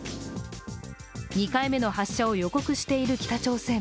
２回目の発射を予告している北朝鮮